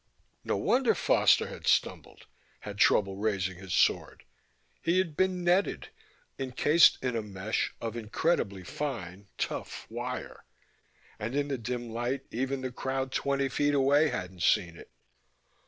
No wonder Foster had stumbled, had trouble raising his sword. He had been netted, encased in a mesh of incredibly fine tough wire ... and in the dim light even the crowd twenty feet away hadn't seen it.